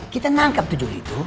kita nangkep tujul itu